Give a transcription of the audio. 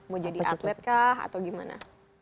mau jadi atlet kah atau gimana